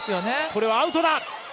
これはアウトだ。